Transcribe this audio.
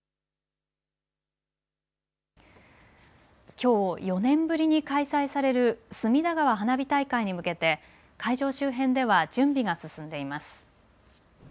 きょう４年ぶりに開催される隅田川花火大会に向けて会場周辺では準備が進んでいます。